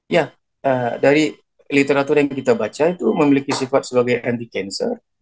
ya dari literatur yang kita baca itu memiliki sifat sebagai anti cancer